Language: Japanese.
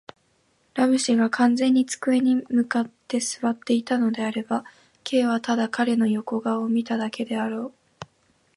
ラム氏が完全に机に向って坐っていたのであれば、Ｋ はただ彼の横顔を見ただけであろう。